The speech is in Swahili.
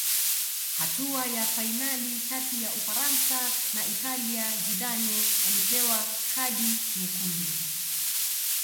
hatua ya fainali kati ya ufaransa na italia zidane alipewa kadi nyekundu